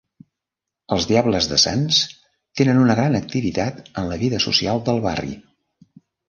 Els diables de Sants tenen una gran activitat en la vida social del barri.